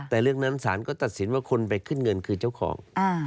แต่เรื่องนั้นศาลก็ตัดสินว่าคนไปขึ้นเงินคือเจ้าของ